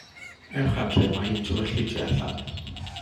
Ewch adref, mae hi'n tywyllu tu allan.